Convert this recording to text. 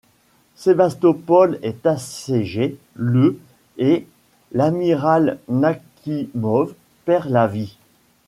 Sébastopol est assiégée le et l'amiral Nakhimov perd la vie.